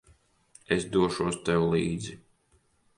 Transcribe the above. Es došos tev līdzi.